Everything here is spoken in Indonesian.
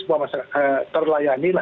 sebuah masyarakat terlayani